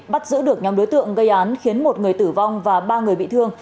bắt giữ được nhóm đối tượng gây án khiến một người tử vong và ba người bị thương